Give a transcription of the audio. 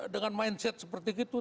dengan mindset seperti itu